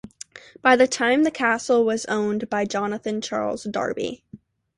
By the time the castle was owned by Jonathan Charles Darby.